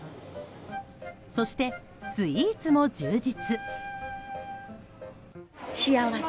そして、スイーツも充実。